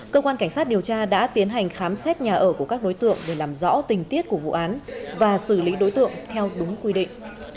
cơ quan cảnh sát điều tra đã tiến hành khám xét nhà ở của các đối tượng để làm rõ tình tiết của vụ án và xử lý đối tượng theo đúng quy định